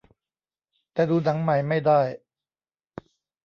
แต่ดูหนังใหม่ไม่ได้